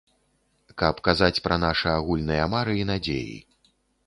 Каб казаць пра нашы агульныя мары і надзеі.